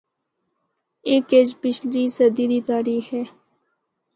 اے کجھ پچھلی صدی دی تاریخ اے۔